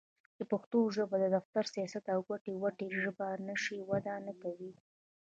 چې پښتو ژبه د دفتر٬ سياست او ګټې وټې ژبه نشي؛ وده نکوي.